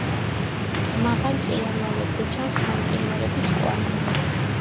მაღალ მწვერვალებზე ჩანს გამყინვარების კვალი.